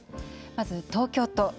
まず東京都。